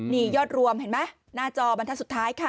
นี่ยอดรวมเห็นไหมหน้าจอบรรทัศน์สุดท้ายค่ะ